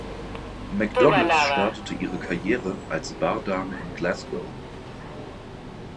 Macdonalds startete ihre Karriere als Bardame in Glasgow.